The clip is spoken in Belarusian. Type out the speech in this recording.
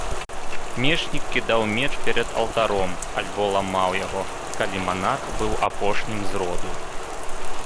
Мечнік кідаў меч перад алтаром, альбо ламаў яго, калі манарх быў апошнім з роду.